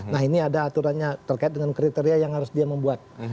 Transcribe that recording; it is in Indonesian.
nah ini ada aturannya terkait dengan kriteria yang harus dia membuat